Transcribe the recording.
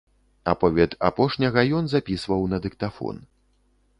Аповед апошняга ён запісваў на дыктафон.